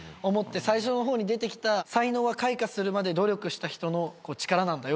最初の方に出てきた「才能は開花するまで努力した人の力なんだよ」